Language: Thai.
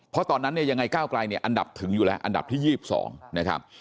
เพราะตอนนั้นเนี่ยยังไงก้าวไกลเนี่ยอันดับถึงอยู่แล้วอันดับที่๒๒นะครับ